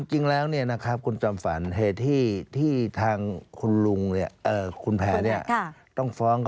จริงแล้วเนี่ยนะครับคุณจำฝันเหตุที่ทางคุณแผนี่ต้องฟ้อง